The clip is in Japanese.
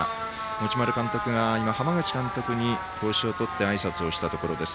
持丸監督が浜口監督に帽子を取ってあいさつをしたところです。